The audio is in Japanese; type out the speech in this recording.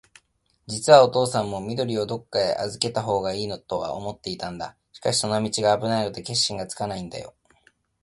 じつはおとうさんも、緑をどっかへあずけたほうがいいとは思っていたんだ。しかし、その道があぶないので、決心がつかないんだよ。